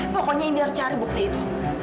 pokoknya ini harus cari bukti itu